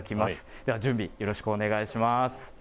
では準備、よろしくお願いします。